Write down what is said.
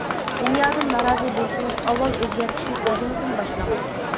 دۇنيادىن نارازى بولسىڭىز, ئاۋۋال ئۆزگەرتىشنى ئۆزىڭىزدىن باشلاڭ!